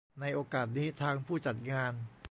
ในโอกาสนี้ ทางผู้จัดงาน